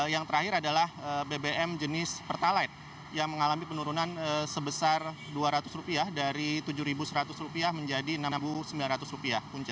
yang terakhir adalah bbm jenis pertalite yang mengalami penurunan sebesar rp dua ratus dari rp tujuh seratus menjadi rp enam sembilan ratus